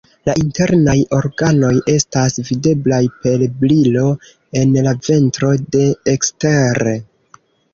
La internaj organoj estas videblaj per brilo en la ventro de ekstere.